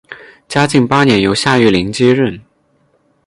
嘉靖八年由夏玉麟接任。